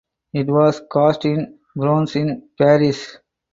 It was cast in bronze in Paris.